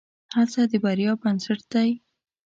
هڅه د بریا بنسټ دی.